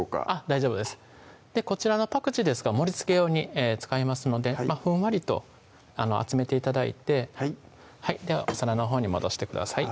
大丈夫ですこちらのパクチーですが盛りつけ用に使いますのでふんわりと集めて頂いてはいではお皿のほうに戻してください